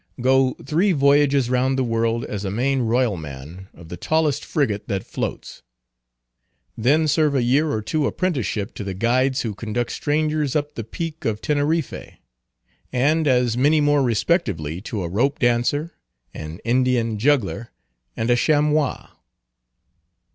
Go three voyages round the world as a main royal man of the tallest frigate that floats; then serve a year or two apprenticeship to the guides who conduct strangers up the Peak of Teneriffe; and as many more respectively to a rope dancer, an Indian juggler, and a chamois.